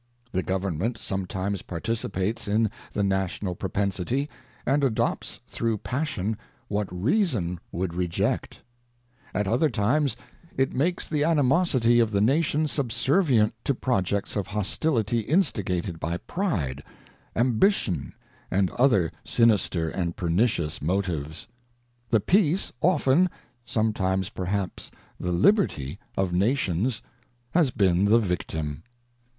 ŌĆö The Government sometimes participates in the national propensity, and adopts through pas sion what reason would reject ; ŌĆö at other times, it makes the animosity of the Nation subservient to projects of hostility instigated by pride, ambition, and other sinister and pernicious motives. ŌĆö The peace often, some times perhaps the Liberty, of Nations has been the victim.